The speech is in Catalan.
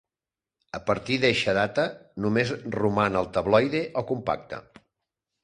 A partir d'eixa data, només roman el tabloide o compacte.